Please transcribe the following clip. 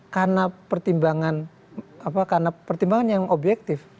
karena pertimbangan yang objektif